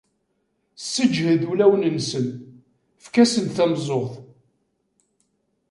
Sseǧhed ulawen-nsen, efk-asen-d tameẓẓuɣt.